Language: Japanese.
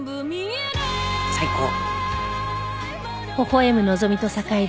最高。